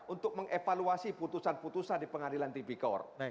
untuk mengevaluasi putusan putusan di pengadilan tipikor